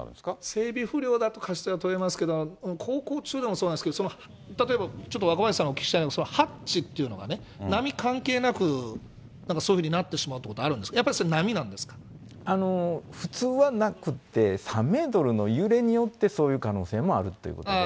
整備不良だと過失が問えますけど、航行中でもそうなんですけど、例えばちょっと若林さんにお聞きしたいのが、そのハッチというのが波関係なく、なんかそういうふうになってしまうということはあるんですか、や普通はなくって、３メートルの揺れによって、そういう可能性もあるということで。